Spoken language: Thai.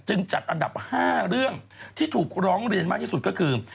จัดอันดับ๕เรื่องที่ถูกร้องเรียนมากที่สุดก็คือ